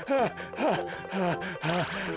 はあはあはあ。